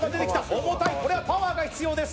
重たい、これはパワーが必要です。